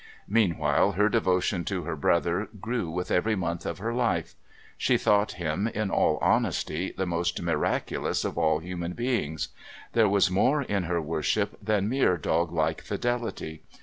Meanwhile, her devotion to her brother grew with every month of her life. She thought him, in all honesty, the most miraculous of all human beings. There was more in her worship than mere dog like fidelity.